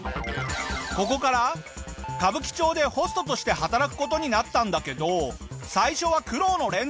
ここから歌舞伎町でホストとして働く事になったんだけど最初は苦労の連続だったんだ！